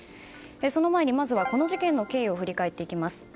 その前に、まずはこの事件の経緯を振り返ります。